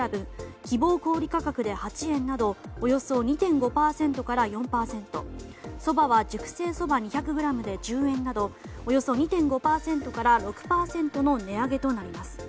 希望小売価格で８円などおよそ２．５％から４．０％そばは熟成そば２００ｇで１０円などおよそ２．５％６．０％の値上げとなります。